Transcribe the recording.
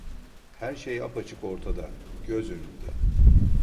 Her şey apaçık ortada, göz önünde.